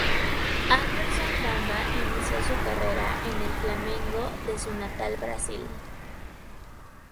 Anderson Bamba inició su carrera en el Flamengo de su natal Brasil.